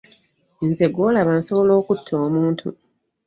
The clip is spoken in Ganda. Nze gw'olaba nsobola okutta omuntu.